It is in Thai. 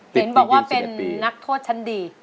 เห็นบอกว่าเป็นนักโทษชั้นดี